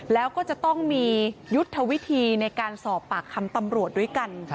แล้วก็จะต้องมียุทธวิธีในการสอบปากคำตำรวจด้วยกัน